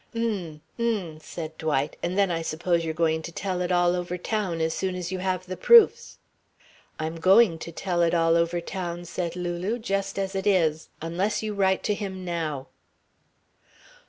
"M m," said Dwight. "And then I suppose you're going to tell it all over town as soon as you have the proofs." "I'm going to tell it all over town," said Lulu, "just as it is unless you write to him now."